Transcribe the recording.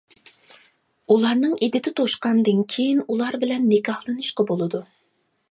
ئۇلارنىڭ ئىددىتى توشقاندىن كېيىن ئۇلار بىلەن نىكاھلىنىشقا بولىدۇ.